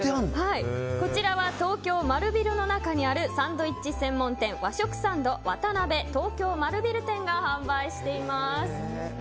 こちらは東京丸ビルの中にあるサンドイッチ専門店和食サンドＷＡＴＡＮＡＢＥ東京丸ビル店が販売しています。